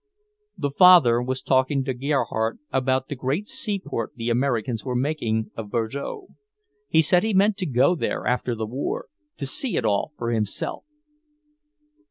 The father was talking to Gerhardt about the great sea port the Americans were making of Bordeaux; he said he meant to go there after the war, to see it all for himself.